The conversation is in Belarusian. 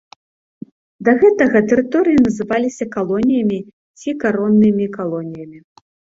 Да гэтага тэрыторыі называліся калоніямі ці кароннымі калоніямі.